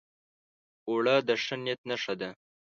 اوړه د ښه نیت نښه ده